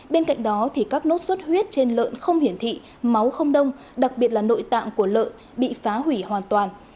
bên cạnh đó thì các nốt suất huyết trên lợn không hiển thị máu không đông đặc biệt là nội tạng của lợn bị phá hủy hoàn toàn